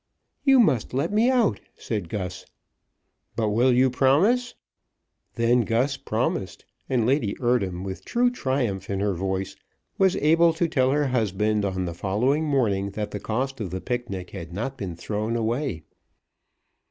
"You must let me out," said Gus. "But will you promise?" Then Gus promised; and Lady Eardham, with true triumph in her voice, was able to tell her husband on the following morning that the cost of the picnic had not been thrown away.